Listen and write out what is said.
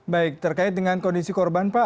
baik terkait dengan kondisi korban pak